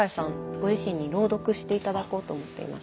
ご自身に朗読して頂こうと思っています。